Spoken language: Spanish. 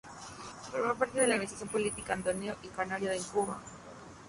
Formó parte de la organización política y del Ateneo Canario en Cuba.